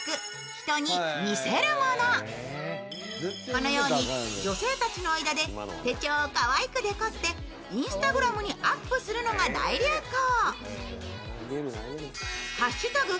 このように女性たちの間で手帳をかわいくデコってＩｎｓｔａｇｒａｍにアップするのが大流行。